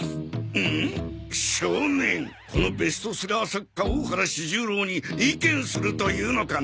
ムムッ少年このベストセラー作家大原四十郎に意見するというのかね。